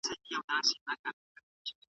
هغه څوک چي مرسته کوي، ستايل کېږي.